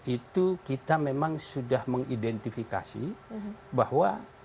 itu kita memang sudah mengidentifikasi bahwa